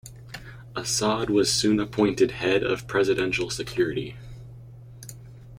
Assad was soon appointed Head of Presidential Security.